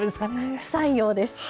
不採用です。